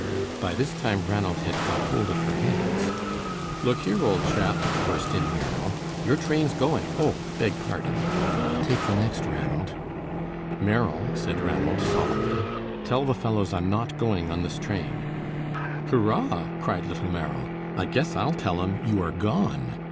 By this time Ranald had got hold of her hands. "Look here, old chap," burst in Merrill, "your train's going. Oh, beg pardon." "Take the next, Ranald." "Merrill," said Ranald, solemnly, "tell the fellows I'm not going on this train." "Hoorah!" cried little Merrill, "I guess I'll tell 'em you are gone.